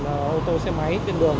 ô tô xe máy trên đường